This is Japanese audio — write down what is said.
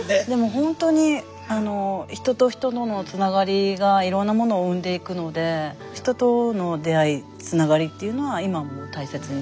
ほんとに人と人とのつながりがいろんなものを生んでいくので人との出会いつながりっていうのは今も大切にしてますね。